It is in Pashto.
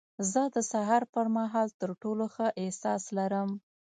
زه د سهار پر مهال تر ټولو ښه احساس لرم.